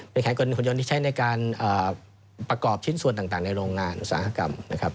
เป็นแขนกลหุ่นยนต์ที่ใช้ในการประกอบชิ้นส่วนต่างในโรงงานอุตสาหกรรม